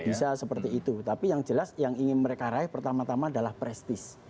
bisa seperti itu tapi yang jelas yang ingin mereka raih pertama tama adalah prestis